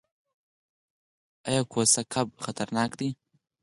ایا کوسه کب خطرناک دی؟